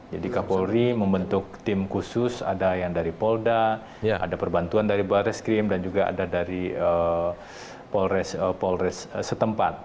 jadi kapolri membentuk tim khusus ada yang dari polda ada perbantuan dari baris krim dan juga ada dari polres setempat